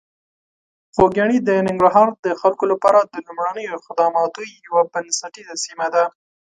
خوږیاڼي د ننګرهار د خلکو لپاره د لومړنیو خدماتو یوه بنسټیزه سیمه ده.